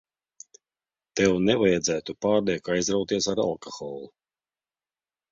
Tev nevajadzētu pārlieku aizrauties ar alkoholu.